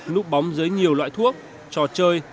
núp bóng dưới nhiều loại thuốc trò chơi